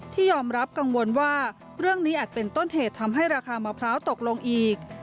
ที่ยอมรับกังวลว่าเรื่องนี้อาจเป็นต้นเหตุทำให้ราคามะพร้าวตกลงอีก